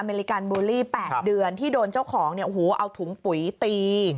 เลกันบูลลี่๘เดือนที่โดนเจ้าของเนี่ยโอ้โหเอาถุงปุ๋ยตี